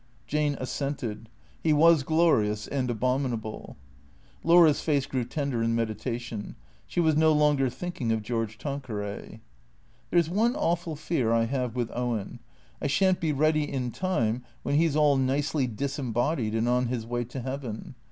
Jane assented. He was glorious and abominable. Laura's face grew tender in meditation. She was no longer thinking of George Tanqueray. " There 's one awful fear I have with Owen. I shan't be ready in time when he 's all nicely disembodied and on his way to heaven.